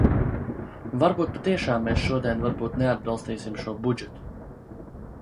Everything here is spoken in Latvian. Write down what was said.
Un varbūt patiešām mēs šodien varbūt neatbalstīsim šo budžetu.